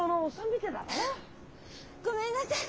ごめんなさい！